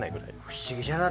不思議じゃない。